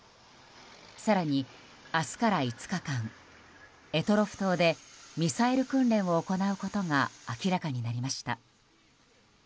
更に、明日から５日間択捉島でミサイル訓練を行うことが明らかになりました。